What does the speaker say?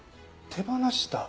手放した？